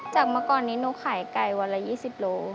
เมื่อก่อนนี้หนูขายไก่วันละ๒๐โล